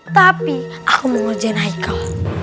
tapi aku mau ngerjain haikau